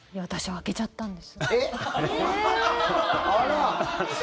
開けちゃったんですよ。